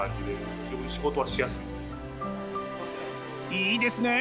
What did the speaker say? いいですね。